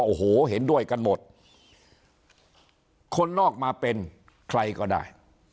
โอ้โหเห็นด้วยกันหมดคนนอกมาเป็นใครก็ได้